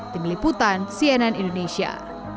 tim liputan cnn indonesia